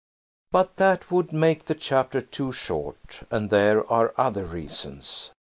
But that would make the chapter too short–and there are other reasons.